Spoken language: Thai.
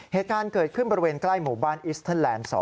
เหตุการณ์เกิดขึ้นบริเวณใกล้หมู่บ้านอิสเทอร์แลนด์๒